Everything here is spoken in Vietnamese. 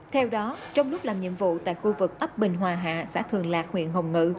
theo đó trong lúc làm nhiệm vụ tại khu vực ấp bình hòa hạ xã thường lạc huyện hồng ngự